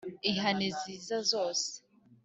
ihane ziza zose